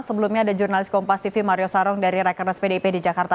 sebelumnya ada jurnalis kompas tv mario sarong dari rakernas pdip di jakarta